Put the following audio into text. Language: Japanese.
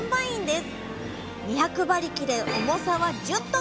２００馬力で重さは１０トン。